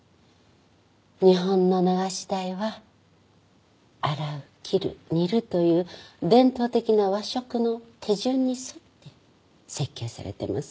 日本の流し台は洗う切る煮るという伝統的な和食の手順に沿って設計されています。